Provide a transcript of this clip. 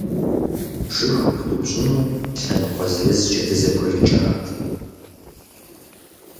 Жыг пыдупщӀыну лъэныкъуэ зырызкӀэ дызэбгрыкӀат.